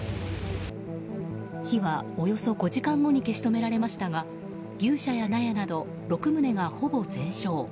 火は、およそ５時間後に消し止められましたが牛舎や納屋など６棟がほぼ全焼。